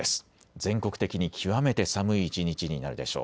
全国的に極めて寒い一日になるでしょう。